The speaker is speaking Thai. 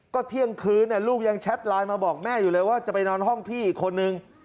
ก็เที่ยงคืนลูกยังแชทไลน์มาบอกแม่อยู่เลยว่าจะไปนอนห้องพี่อีกคนนึง